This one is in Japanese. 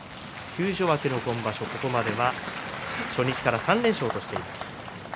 休場明けの今場所、ここまでは初日から３連勝としています。